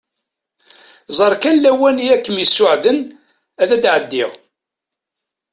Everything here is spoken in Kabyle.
Ẓer kan lawan i akem-isuɛden ad d-ɛeddiɣ.